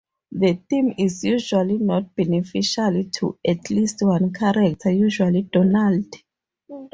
The theme is usually not beneficial to at least one character, usually Donald.